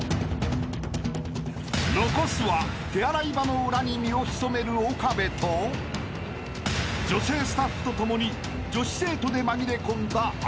［残すは手洗い場の裏に身を潜める岡部と女性スタッフと共に女子生徒で紛れ込んだ秋山］